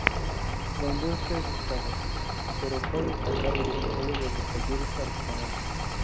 La industria es escasa; pero cabe destacar el desarrollo de los talleres artesanales.